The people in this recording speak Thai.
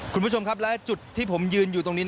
คุณผู้ชมครับและจุดที่ผมยืนอยู่ตรงนี้